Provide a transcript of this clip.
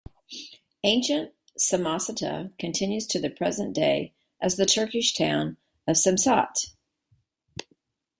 Ancient Samosata continues to the present day as the Turkish town of Samsat.